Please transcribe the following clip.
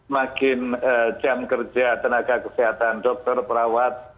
makin jam kerja tenaga kesehatan dokter perawat